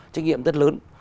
trách nhiệm rất lớn